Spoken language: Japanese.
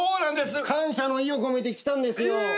感謝の意を込めて来たんですよ。え！